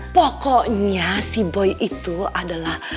pokoknya si boy itu adalah